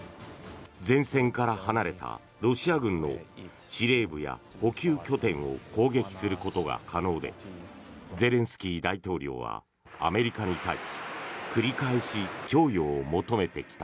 前線から離れたロシア軍の司令部や補給拠点を攻撃することが可能でゼレンスキー大統領はアメリカに対し繰り返し供与を求めてきた。